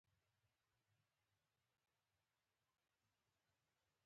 قلم د ښو افکارو تمثیلوي